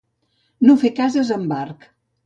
No fer cases amb arc.